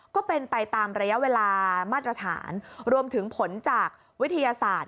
ก็เป็นไปตามระยะเวลามาตรฐานรวมถึงผลจากวิทยาศาสตร์